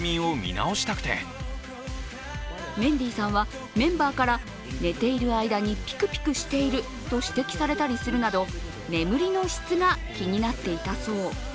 メンディーさんはメンバーから寝ている間にピクピクしていると指摘されたりするなど、眠りの質が気になっていたそう。